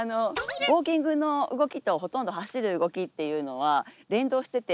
ウォーキングの動きとほとんど走る動きっていうのは連動してて。